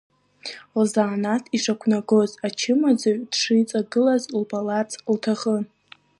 Лзанааҭ ишақәнагоз, ачымазаҩ дышиҵагылаз рбаларц лҭахын.